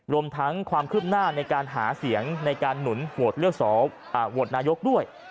รวมทั้งความคืบหน้าในการหาเสียงในการหนุนโหวตเลือกโหวตนายกด้วย